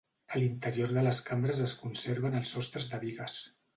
A l'interior de les cambres es conserven els sostres de bigues.